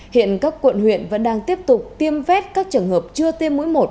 hiện các quận huyện vẫn đang tiếp tục tiêm vét các trường hợp chưa tiêm mũi một